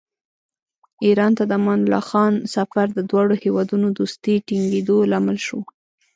ایران ته د امان الله خان سفر د دواړو هېوادونو دوستۍ ټینګېدو لامل شو.